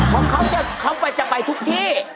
เพราะเขาจะไปทุกที่